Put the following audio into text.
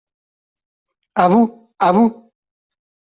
A vous, à vous !….